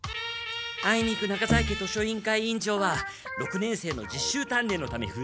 あいにく中在家図書委員会委員長は六年生の実習鍛錬のためふざいだ。